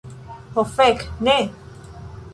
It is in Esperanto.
Ho, fek, ne!